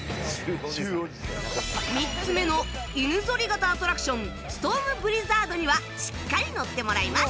３つ目の犬ぞり型アトラクション ＳＴＯＲＭＢＬＩＺＺＡＲＤ にはしっかり乗ってもらいます